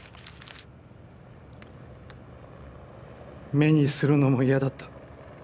目にするのも嫌だった。